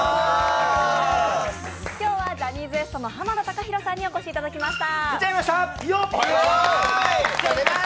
今日はジャニーズＷＥＳＴの濱田崇裕さんにお越しいただきました。